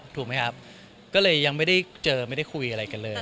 ถูกไหมครับก็เลยยังไม่ได้เจอไม่ได้คุยอะไรกันเลย